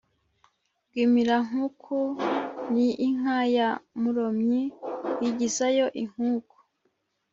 rwimirankuku: ni inka ya rumonyi yigizayo inkuku